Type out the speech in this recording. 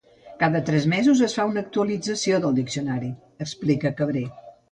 Cada tres mesos es fa una actualització del diccionari –explica Cabré–.